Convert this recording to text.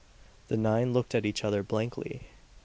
The nine looked at each other blankly.